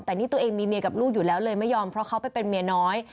แต่นี่ตัวเองมีเมียกับลูกอยู่แล้วเลยไม่ยอมเพราะเขาไปเป็นเมียน้อย